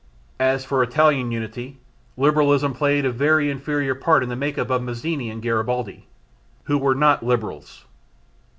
As for Italian unity, Liberalism played a very inferior part in the make up of Mazzini and Garibaldi, who were not liberals.